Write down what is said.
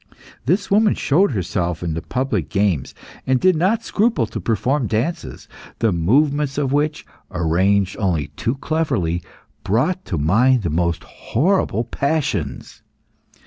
This woman showed herself in the public games, and did not scruple to perform dances, the movements of which, arranged only too cleverly, brought to mind the most horrible passions.